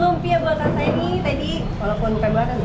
lumpia buatan saya ini